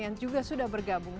yang juga sudah bergabung